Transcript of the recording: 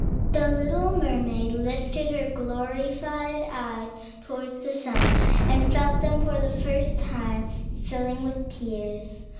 The little mermaid lifted her glorified eyes towards the sun, and felt them, for the first time, filling with tears.